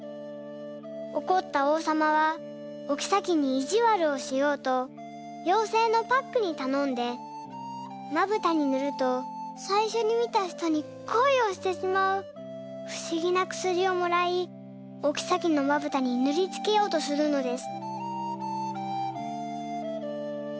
おこったおうさまはおきさきにいじわるをしようとようせいのパックにたのんで「まぶたにぬるとさいしょに見た人に恋をしてしまうふしぎなくすり」をもらいおきさきのまぶたにぬりつけようとするのです。